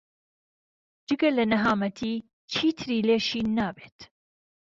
جگە لە نەهامەتی چیتری لێ شین نابیت.